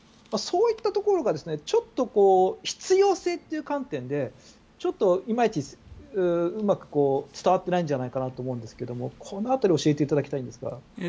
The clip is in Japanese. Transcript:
そういったところがちょっと必要性という観点でちょっといまいちうまく伝わってないんじゃないかなと思うんですがこの辺りを教えていただきたいんですが。